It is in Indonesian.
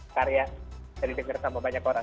jadi denger sama banyak orang